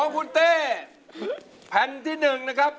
๕ครับ